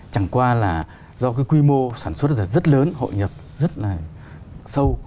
chẳng qua là do cái quy mô sản xuất rất lớn hội nhập rất là sâu